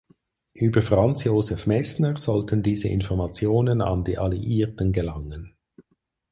Über Franz Josef Messner sollten diese Informationen an die Alliierten gelangen.